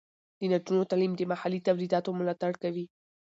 د نجونو تعلیم د محلي تولیداتو ملاتړ کوي.